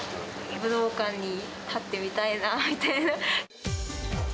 武道館に立ってみたいなって。